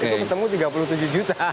itu ketemu tiga puluh tujuh juta